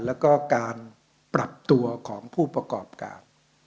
แล้วก็การปรับตัวของผู้ประกอบการ